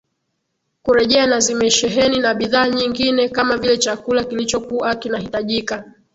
kurejea na zimesheheni na bidhaa nyingine kama vile chakula kilichokua kinahitajika